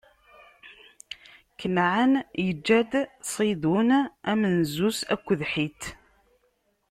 Kanɛan iǧǧa-d Ṣidun, amenzu-s, akked Ḥit.